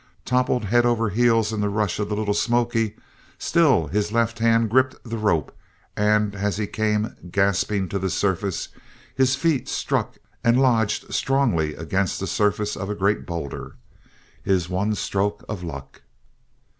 Toppled head over heels in the rush of the Little Smoky, still his left hand gripped the rope and as he came gasping to the surface his feet struck and lodged strongly against the surface of a great boulder. His one stroke of luck!